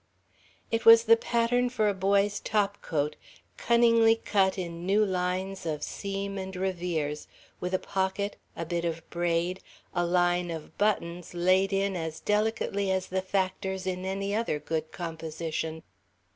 It was the pattern for a boy's topcoat, cunningly cut in new lines of seam and revers, with a pocket, a bit of braid, a line of buttons laid in as delicately as the factors in any other good composition.